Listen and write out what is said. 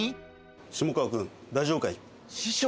下川君、大丈夫かい？